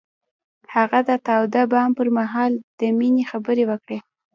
هغه د تاوده بام پر مهال د مینې خبرې وکړې.